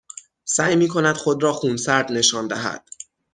سعی می کند خود را خونسرد نشان دهد